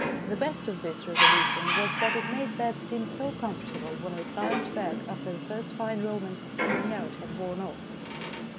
The best of this resolution was that it made bed seem so comfortable, when we climbed back after the first fine romance of camping out had worn off.